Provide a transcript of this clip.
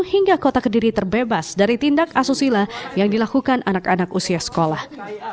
hingga kota kediri terbebas dari tindak asusila yang dilakukan anak anak usia sekolah